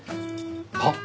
はっ？